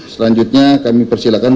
selanjutnya kami persilakan